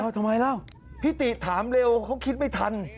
ทำไมเล่าพี่ติถามเร็วเขาคิดไม่ทัน